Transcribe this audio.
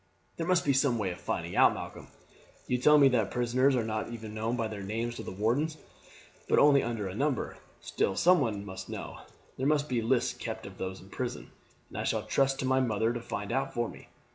"There must be some way of finding out, Malcolm. You tell me that prisoners are not even known by their name to the warders, but only under a number. Still someone must know there must be lists kept of those in prison, and I shall trust to my mother to find out for me.